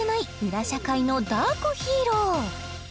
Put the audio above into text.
裏社会のダークヒーロー